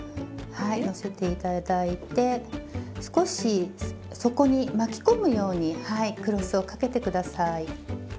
はい載せて頂いて少し底に巻き込むようにクロスを掛けて下さい。